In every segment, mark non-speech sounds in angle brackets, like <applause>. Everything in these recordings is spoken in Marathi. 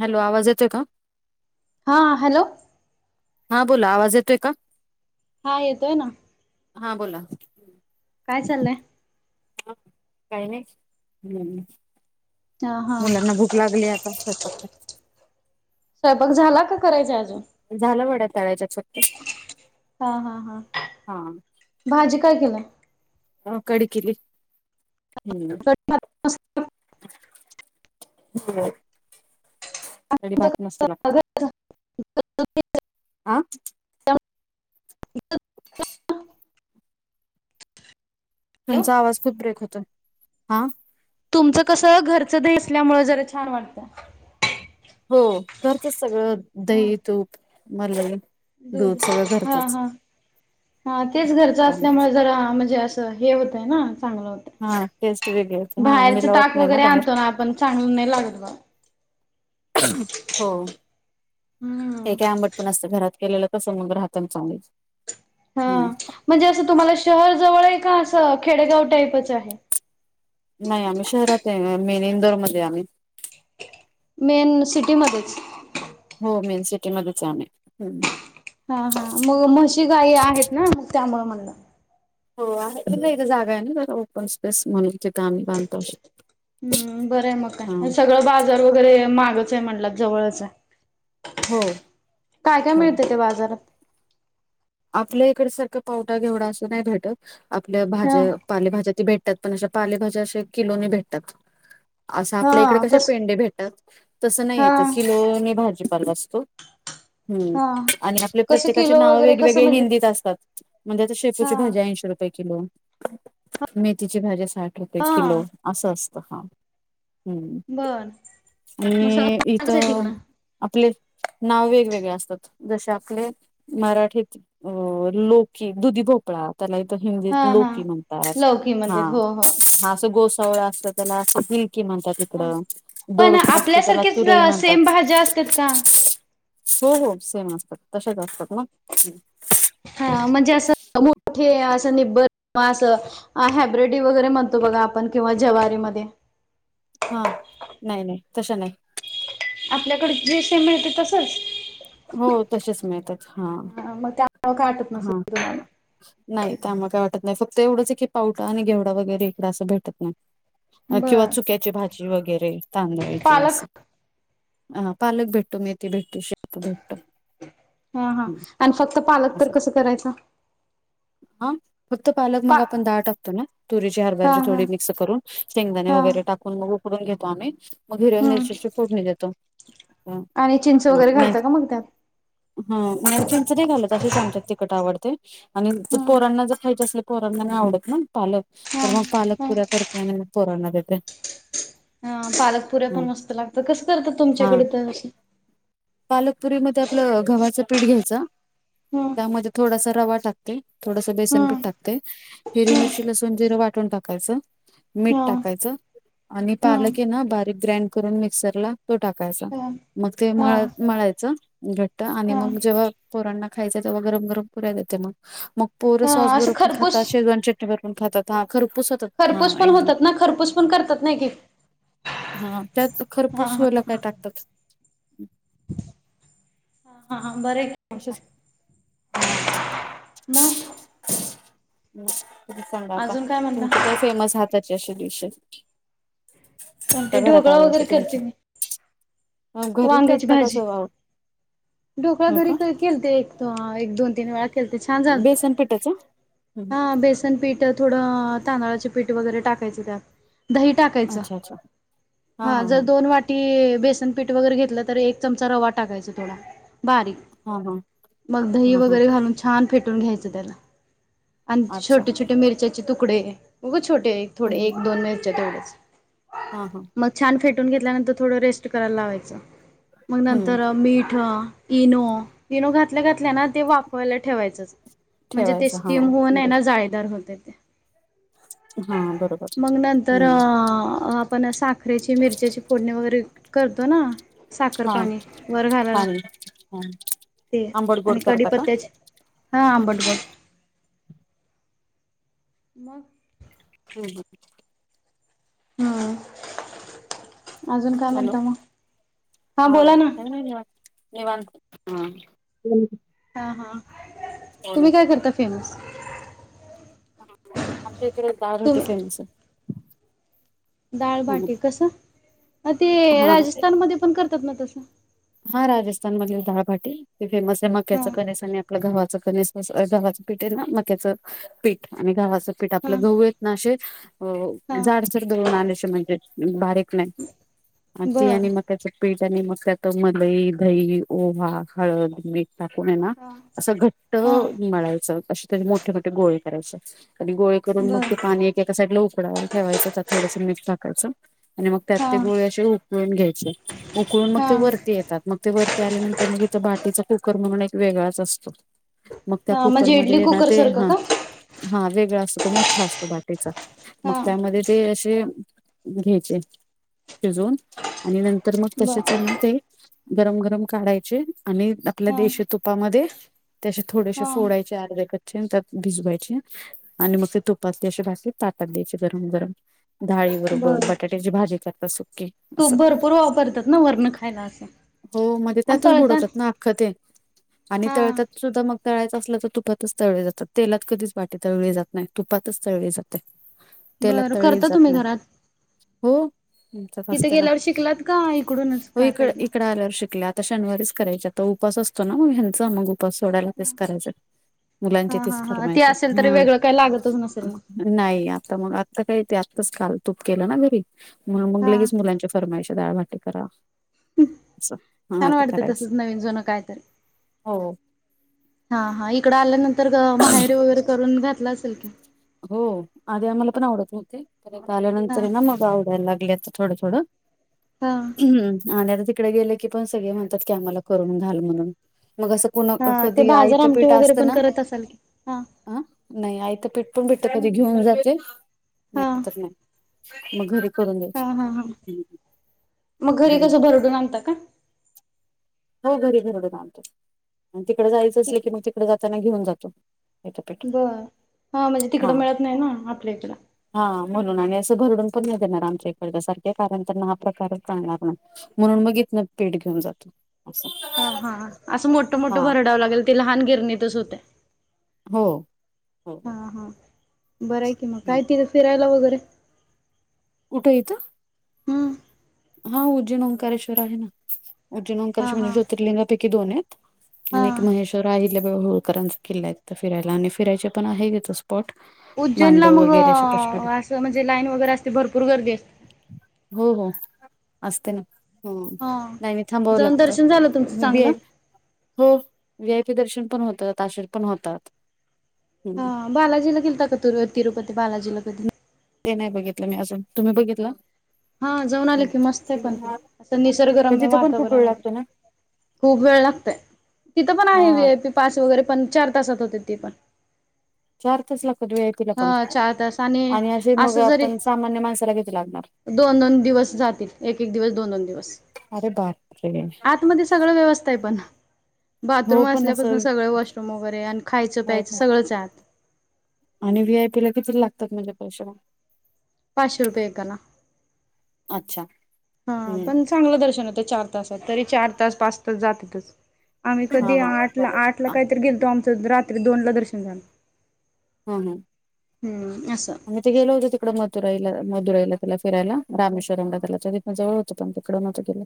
हॅलो, आवाज येतोय का? हा, हॅलो हा बोला, आवाज येतोय का? हा येतोय ना. हा बोला. काय चाललय? ह, काही नाही हम्म हा हा मुलांना भुक लागली आता स्वयपाक स्वयंपाक झाला, का करायचा अजून? झाल, वड्या तळायाच्यात फक्त. हा हा हा, हा भाजी काय केलाय? ह, कढी केली, हम्म. हो. कढी-भातं मस्त लागतो, आ तुमचा आवाज खूप ब्रेक होतोय, हा तुमच कस घरच दही असल्यामुळे जरा छान वाटतय. हो घरचच सगळ दही, तूप मलई. दूध दुध, सगळं हा घरचंच हा, हा तेच घरच त्यामुळे असल्यामुळेच तर म्हणजे असं हे होतय ना चांगलं हा टेस्ट वेगळी होते हा बाहेरच मिलावट ताक नाही वगैरे बाहेर आणतो ना. आपण चांगलं नाही लागत बा. हो. हे हम्म काय आंबट पण असत. घरात केलेलं तसं मग राहत चांगलच. हा हम्म. म्हणजे असं, तुम्हाला शहर जवळ आहे का? असं खेडेगाव टाईपचं आहे. नाही. आम्ही शहरात आहे. मेन इंदोरमध्ये आहे आम्ही. मेन सिटीमध्येच. हो. मेन सिटी मध्येच आहे आम्ही. हम. हा हा मग म्हशी गाई आहेत ना, त्यामुळ म्हणलं. हो आहे. नाही इथ जागा आहे ना. जस ओपन स्पेस म्हणून तिथं आम्ही बांधतो. हम्म. बरं आहे मग हा काय, सगळं बाजार वगैरे मागच आहे म्हणटला जवळच आहे. हो काय काय हो मिळत त्या बाजारात? आपल्या इकड सारखं पावटा, घेवढा असं नाही भेटत. आपल्या ह भाज्या पालेभाज्या ती भेटतात. पण अशा पालेभाज्या असे किलोनी भेटतात. असं आपल्या इकडे हा कसे कस पेंडे भेटतात. तसं नाही हा येत. किलो नी भाजीपाला असतो. हम्म हा आणि आपले कसं प्रत्येकाचे किलो नाव वगैरे वेग कसं वेगळे म्हणजे हिंदीत असतात. म्हणजे आता हा शेपूची भाजी ऐंशी रुपये किलो, मेथीची भाजी साठ रुपये हा किलो असं असतं. हा. हम्म बर मसाला आणि महागच आहे इथं तिकडं आपले नाव वेगवेगळे असतात. जसे आपले मराठीत अ लोकी, दुधी भोपळा. त्याला इथ हा हिंदीत हा लोकी म्हणतात. लौकी हा म्हणतात हो हो हा असं गोस वळा असतो त्याला, अस हील्की म्हणतात. इकडं पण दोडका असतो त्याला आपल्यासारखेच तुरई म्हणतात. सेम भाज्या असतात का? हो हो. सेम असतात. तशाच असतात ना. हा म्हणजे, असं मोठे, असं निब्बर असं हॅब्रेडी वगैरे म्हणतो बघा आपण. किंवा जवारीमध्ये. हा. नाही नाही तश्या नाही. आपल्याकडं जे सेम मिळतंय तसंच? हो, तसेच मिळतात हा. हा <unintelligible> नाही. त्यामुळं काही वाटत नाही. फक्त एवढंच आहे की पावटा आणि घेवडा वगैरे इकडं असं भेटत नाही. किंवा बर चुक्याची भाजी वगैरे, तांदळाची पालक असं. हा पालक भेटतो. मेथी भेटते. शेपु भेटतो. अन् फक्त पालक असं तर कसा करायचा? हा फक्त पालक पा मग आपण डाळ टाकतो ना. तुरीची, हा हरभर्याची हा थोडी मिक्स करून. शेंगदाणे हा वगैरे टाकून उकडून घेतो आम्ही, मग हिरव्या हम्म मिरचीची फोडणी देतो. हा आणि चिंच वगैरे नाही घालता का मग त्यात? हा, नाही चिंच नाही घालत. तशीच आमच्यात तिखट आवडते. आणि हम्म पोरांना जर खायचे असले पोरांना नाही आवडत ना पालक. हा तर मग पालक हा पुऱ्या करते आणि मग पोरांना देते. हा, पालकपुऱ्या पण मस्त लागतात. कसं करतात हा तुमच्याकडे ते असं? पालकपुरीमध्ये आपलं गव्हाचं पीठ घ्यायचं हम्म त्यामध्ये थोडासा रवा टाकते, थोडसं बेसनपीठ हम्म टाकते. हिरवी मिरची, लसूण, जिरं वाटून टाकायचं. मीठ हम्म टाकायचं आणि हम्म पालक आहे ना बारीक ग्रँड करून मिक्सरला तो टाकायचा. हम्म मग ते हा हा मळत, मळायचं घट्ट आणि हा मग जेव्हा पोरांना खायचं तेव्हा गरम गरम पुऱ्या देते मग, मग पोरं हा सॉस असं बरोबर पण खरपूस खातात, शेजवान चट णी बरोबर पण खातात, हा खरपूस होतात. हा खरपूस पण एकदम होतात ना, खरपूस पण करतात ना एक एक. हां त्यात खरपूस हा व्हायला काय टाकतात? हा, हा, बरंय. असंच, हा. मग? तुम्ही सांगा आता, अजून काय तुमची म्हणता काय फेमस हाताची अशी डिशय? कोणती ढोकळा वगैरे तुमची करते मी. घरीच वांग्याची असतं का भाजी, सगळं ढोकळा हो घरी का कै केलते. तेव्हा एक दोन-तीन वेळा केलते, छान झालतं, बेसन पिठाचं हं. हा बेस बेसन पीठ थोडं तांदळाचे पीठ वगैरे टाकायचं त्यात, दही टाकायचं. अच्छा अच्छा हा जर दोन वाटी बेसनपीठ वगैरे घेतलं तर एक चमचा रवा टाकायचा थोडा बारीक हा हा मग दही हा हा वगैरे घालून छान फेटून घ्यायचं त्याला, आणि छोटे अच्छा छोटे छोटे मिरच्याचे तुकडे, उगं छोटे एक थोडे एक दोन मिरच्या तेवढ्याच. हा हा. मग छान फेटून घेतल्यानंतर थोड रेस्ट करायला लावायचं मग हम्म नंतर मीठ इनो, इनो घातल्या घातल्या ना ते वाफवायला ठेवायचंच. म्हणजे ते ठेवायचं हा स्टीम होऊनयना बरोबर जाळीदार होतय ते. हा बरोबर मग नंतर हम्म. आपण साखरेची मिरच्याची फोडणी वगैरे करतो ना साखर हा पाणी वर घालायला पाणी हा ते आंबड गोड आणि करता का कडीपत्त्याचे हा आंबट गोड. मग? हम्म हम्म. हम्म अजून काय हॅलो म्हणताय मग हा बोला ना. <inaudible> निवांत हम्म. हा हा तुम्ही काय करता फेमस? आमच्या इकडे डाळ भाटी तुम्ही फेमसय. डाळभाटी कसं ते हा राजस्थानमध्ये पण करतात ना तसं? हा राजस्थान मधील डाळभाटी हे फेमसय हा मक्याच कणिश आणि आपलं घवाच कणिश गव्हाचं पीठ आहे ना मक्याचं पीठ आणि गव्हाचं पीठ, हा आपलं गहू आहेत ना असे हा जाडसर दळून आणायचं म्हणजे बारीक नाही ती बरं आणि मग मक्याच पीठ मग काय तो मलई, दही, ओवा, हळद, मीठ टाकून हायना हा असं घट्ट मळायचं अ त्याचे मोठे मोठे गोळे करायचे आणि गोळे करून मग बर ते पाणी एका साईडला उकडवायला ठेवायचं त्यात थोडंस मीठ टाकायचं आणि मग त्यात हा ती गोळे असे उकळून घ्यायचे उकळून मग हा ते वरती येतात मग ते वरती आल्यानंतर मग इथं बाटीचा कुकर म्हणून एक वेगळाच असतो. मग त्या हा म्हणजे इडली कुकरमध्ये ना कुकर ते सारखं हा का हा वेगळा असतो तो मोठा असतो बाटीचा. मग हा त्यामध्ये ते असे घ्यायचे शिजवून. आणि नंतर मग तशे बर आणि ते गरम गरम काढायचे आणि आपल्या हा देशी तुपामध्ये ते अशे थोडेसे हा फोडायचे अर्धे कच्चे आणि त्यात भिजवायचे. आणि मग ते तुपात ते अशी बाटी ताटात द्यायचे गरम गरम. डाळी बरोबर बर बटाट्याची भाजी करतात सुक्की तूप भरपूर वापरतात ना वरन खायला असं? हो म्हणजे आणि त्यातच तळतान बुडवतात ना अख्खं ते आणि हा तळतात सुद्धा मग तळायचं असलं तर तुपातच तळले जातात. तेलात कधीच बाटी तळली जात नाही तुपातच तळले जा ते तेलात बरं तळली करता जात तुम्ही नाही, घरात हो आमच्यात तिथे असते ना. गेल्यावर शिकलात का इकडून? हो इकड इकडं आल्यावर शिकले आता शनिवारीच करायच्या आता उपवास असतो ना मग ह्यांचा मग उपवास सोडायला हा तेच करायचं आहे मुलांची हा तीच हा हा ते फरमाईश असेल आहे तरी हां. वेगळं काही लागतच नसेल मग नाही आता मग आत्ता काही ते आत्ताच काल तूप केलं ना घरी. म्हणून मग हा लगेच मुलांच्या फरमाईश डाळभाटी करा. अस हां छान आता वाटतं करायचं तसंच नवीन जुनं काय हो. हां हां इकड आल्यानंतर माहेरीे वगैरे करून घातलं असेल की. हो आधी आम्हाला पण आवडत नव्हते. तर इथं हा आल्यानंतर हे ना मग आवडायला लागले आता थोडं थोडं. हां. हम्म आणि आता तिकडे गेले की पण सगळे म्हणतात की आम्हाला करून घाल म्हणून मग असं कुणा हा ते कधी बाजार आयत आमटी पीठ वगैरे असत पण ना करत असाल की हा आं नाही आयत पिठ पण भेटायला पाहिजे घेऊन जाते हा नाही तर नाही. मग घरी करून हां द्यायची हां हां मग घरी कसं भरडून आणता का? हो घरी भरडून आणतो आणि तिकडे जायचं असलं की मग तिकडे जाताना घेऊन जातो. पेठापीठ बरं! हां म्हणजे तिकडं मिळत नाही ना आपल्याइकडं. हां म्हणून आणि असं भरडून पण नाही देणार आमच्या इकडच्या सारखे कारण त्यांना हा प्रकारच चालणार नाही. म्हणून मग इथनं पिठ घेऊन जातो. असं हां हां असं मोठं मोठं हा भरडावं लागेल ते लहान गिरणीतच होतंय. हो हो. हां हां बरं आहे की मग हम्म. काय तिथे फिरायला वगैरे? कुठं इथं? हम्म हां उज्जैन ओंकारेश्वर आहे ना. उज्जैन हा ओंकारेश्वर म्हणजे हा ज्योतिर्लिंगापैकी दोन आहेत आणि एक हा महेश वर अहिल्याबाई होळकरांचा किल्ला आहे तिथं फिरायला आणि फिरायचे पण आहे इथंच. पॉट मांडव वगैरे अशे <unintelligible> तिथं म्हणजे लाईन वैगेरे असते भरपूर गर्दी असते. हो हो असते ना. हम्म हा लाईनीत थांबावं जाऊन दर्शन झालं तुमचं लागतं चांगलं? वी हो वी आई पी दर्शन पण होतात आषाढ पण होतात हम्म. हा बालाजीला गेलता का तु तिरुपती बालाजीला कधी? ते नाही बघितलं मी अजून तुम्ही बघितला? हां जाऊन आले की मस्त आहे पण ते असं पण निसर्गरम्य तिथं पण खूप वातावरण वेळ आहे. लागतो ना खूप वेळ लागतय तिथं पण आहे वी हा आय पी पास वगैरे पण चार तासात होते ती पण. चार तास लागतात वी आय पी ला पण हां चार तास आणि असे मग असं जरी आपण सामान्य माणसाला किती लागणार दोन दोन दिवस जातील. एक एक दिवस दोन दोन दिवस अरे बाप <unintelligible> आतमध्ये सगळं व्यवस्थ आहे पन. हो बाथरूम पण असं असल्यापासून सगळं वॉशरूम वगैरे, आणि खायचं- आहे प्यायचं का सगळंचं आय आत. आणि व्ही आय पी ला कितीन लागतात म्हणजे पैशे म? पाचशे रुपे एकाला. अच्छा. हा. हम्म पण चांगलं दर्शन होतं चार तासात. तरी चार तास, पाच तास जातातच. आम्ही हा हा कधी आठ ला, बरोबर आठ ला हा काहीतरी गेलतो, आमचं रात्री दोन ला दर्शन झालं. हं हं हम्म असं <unintelligible> त गेल होतो तिकड मथुराईला.. मदुराईला तिला फिरायला, रामेश्वरमला त्याला हं जवळ होंतं पन तिकडं नवतो गेलं.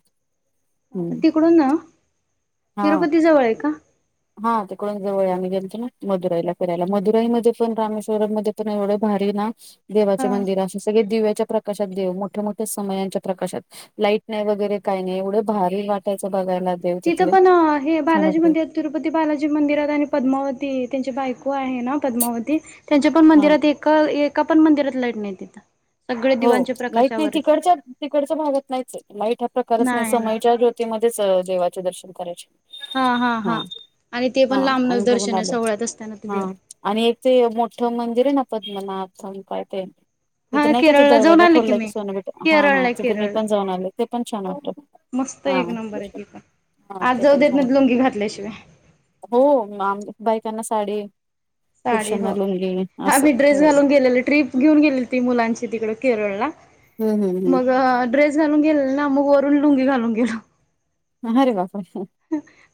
हं हम्म तिकडून, न तिरुपती जवळये का? हं तिकडून जवळये. आम्ही गेलतो न मदुराईला फिरायला. मदुराईमध्ये पण, रामेश्वरम मध्ये एवढे भारीना, देवाचे ह मंदिरं अशे सगळे दिव्याच्या प्र कशात देऊ? मोठ्या मोठ्या समयांच्या प्रकाशात लाईट नाही वगैरे काही नाही, एवढं भारी वाटायचं बघायला देव तिथं तिथले पन हे छान बालाजी वाटतं मंदिर तिरुपती बालाजी मंदिरात, आणि पद्मावती, त्यांची बायको आहे न पद्मावती त्यांच्या पण हा मंदिरात एका.. एका पन मंदिरात लाईट नाही तिथं. सगळे हो दिवांच्या लाईट नाही, प्रकाशावरच आहे तिकडच्या.. तिकडच्या भागात नाहीचये. लाईट हा प्रकारच नाही. समईच्या ज्योत् ती मध्येच अ देवाचे दर्शन कराचे. हा हा हा आणि ते पण लांबनच आम्ही बघून दर्शनं. आलो सोहळ्यात असताना हा पुजा आणि एक ते मोठं मंदिर आहे ना पद्मनाभथ काय आणि एक ते मोठ्ठ मंदिर आहे ना पद्मनाभधाम काय ते हा तिथं नाई केरळला जाऊन दरवाजा आले खोलला की मी सोन भेटं. हा हा, केरळला तिथे मी केरळला पण जाऊन आलो. ते पण छान वाटत. मस्त हा एक नंबर आहे तिथं. हा आत ते जाऊ पण देत छान नाहीत वाटत लुंगी घातल्याशिवाय. हो आम. बायकांना साडी. साडी हो. पुरुषांना लुंगी असं आम्ही ड्रेस हो घालून गेलेलो. ट्रिप घिऊन गेली होती मुलांची तिकडं केरळला, हम्म हम्म मग ड्रेस घालून गेलेलो ना, मग वरून लुंगी घालून गेलो. ह्.. ह. अरे बापरे! ! हह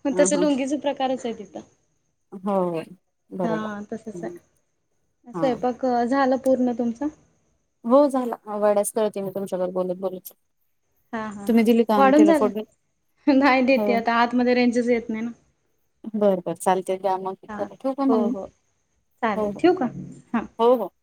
म तसं लूंगीच प्रकारच आहे तिथं. हो, बरोबर. हम्म. स्वैपाक झाला पूर्ण तुमचा? हो झाला. वड्याच तळते मी तुमच्याबर बोलत बोलत. हा हा तुम्ही हा दिली का वाढून आमटीला फोडणी झालं? नाही देते आता. आतमध्ये रेंजच येत नाही न बर बर चालते, दया मग, हा चला ठियू का हो मंग मी? हो हो चालेल ठेवू हो. का हां हो हो..